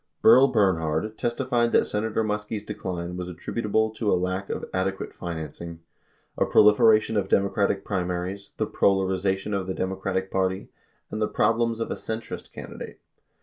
90 Berl Bernhard testified that Senator Muskie's decline was attribut able to a lack of adequate financing, a proliferation of Democratic primaries, the polarization of the Democratic Party, and the problems of a "centrist" candidate.